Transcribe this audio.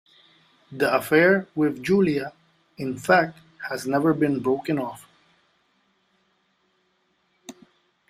The affair with Julia, in fact, has never been broken off.